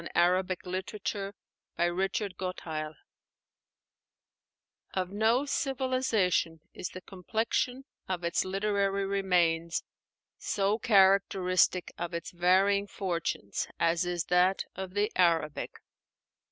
ARABIC LITERATURE BY RICHARD GOTTHEIL Of no civilization is the complexion of its literary remains so characteristic of its varying fortunes as is that of the Arabic.